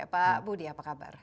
pak budi apa kabar